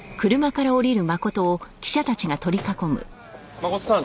真琴さん